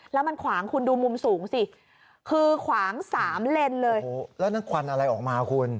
แล้วมันขวางคุณดูมุมสูงสิคือขวางสามเลนเลยโอ้โหแล้วนั่นควันอะไรออกมาคุณ